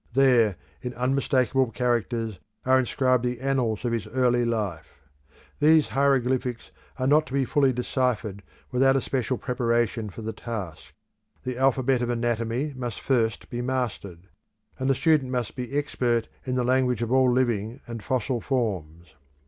There, in unmistakable characters, are inscribed the annals of his early life. These hieroglyphics are not to be fully deciphered without a special preparation for the task: the alphabet of anatomy must first be mastered, and the student must be expert in the language of all living and fossil forms.